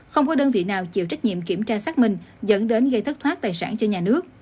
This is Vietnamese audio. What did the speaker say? không có đơn vị nào chịu trách nhiệm kiểm tra xác minh dẫn đến gây thất thoát tài sản cho nhà nước